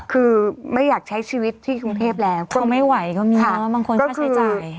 คือไม่อยากใช้ชีวิตที่กรุงเทพแล้วเขาไม่ไหวก็มีเนอะบางคนค่าใช้จ่าย